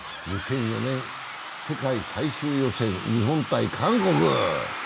２００４年世界最終予選、日本×韓国。